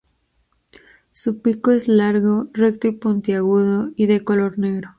Su pico es largo, recto y puntiagudo y de color negro.